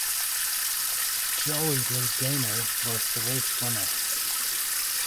Joey Logano was the race winner.